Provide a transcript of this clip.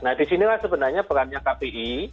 nah disinilah sebenarnya perannya kpi